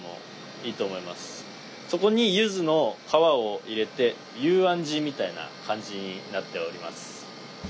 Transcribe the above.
そこにゆずの皮を入れて幽庵地みたいな感じになっております。